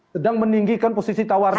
sedang meninggikan posisi tawarnya